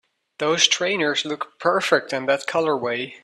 Those trainers look perfect in that colorway!